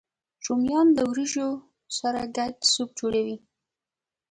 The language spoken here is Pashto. رومیان له ورېجو سره ګډ سوپ جوړوي